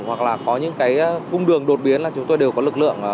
hoặc là có những cái cung đường đột biến là chúng tôi đều có lực lượng